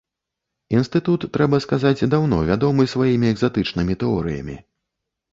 Інстытут, трэба сказаць, даўно вядомы сваімі экзатычнымі тэорыямі.